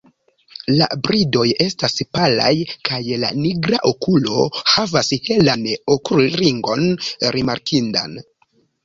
La bridoj estas palaj kaj la nigra okulo havas helan okulringon rimarkindan.